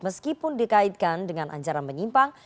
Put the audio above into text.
meskipun dikaitkan dengan anjaran menyimpang